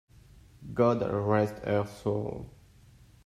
God rest her soul!